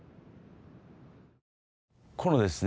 このですね